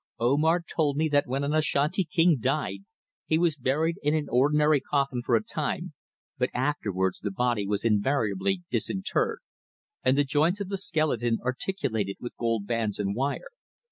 Omar told me that when an Ashanti king died, he was buried in an ordinary coffin for a time, but afterwards the body was invariably disinterred, and the joints of the skeleton articulated with gold bands and wire.